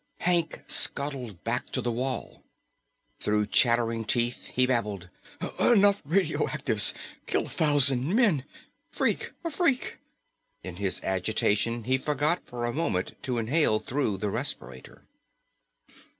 Hank scuttled back to the wall. Through chattering teeth he babbled, "... enough radioactives ... kill a thousand men ... freak ... a freak ..." In his agitation he forgot for a moment to inhale through the respirator.